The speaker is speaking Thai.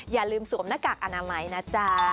อย่าลืมสวมหน้ากากอนามัยนะจ๊ะ